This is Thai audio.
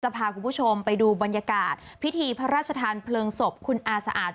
พาคุณผู้ชมไปดูบรรยากาศพิธีพระราชทานเพลิงศพคุณอาสะอาด